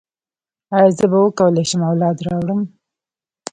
ایا زه به وکولی شم اولاد راوړم؟